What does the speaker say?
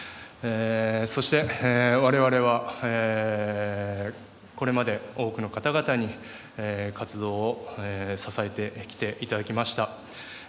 そして我々はこれまで多くの方々に活動を支えてきていただきました。